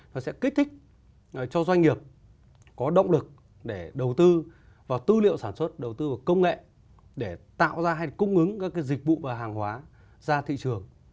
nó sẽ kích thích cho doanh nghiệp có động lực để đầu tư vào tư liệu sản xuất đầu tư vào công nghệ để tạo ra hay cung ứng các cái dịch vụ hàng hóa ra thị trường